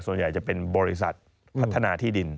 ส่วนใหญ่จะเป็นบริษัทพัฒนาที่ดิน